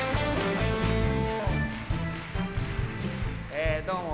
えどうも。